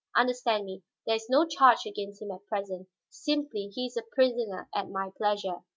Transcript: Understand me; there is no charge against him at present; simply he is a prisoner at my pleasure."